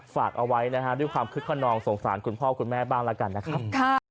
ฝากเอาไว้นะฮะด้วยความคึกขนองสงสารคุณพ่อคุณแม่บ้างแล้วกันนะครับ